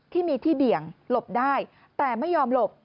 ที่มีที่เบี่ยงหลบได้แต่ไม่ยอมหลบ